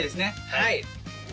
はい。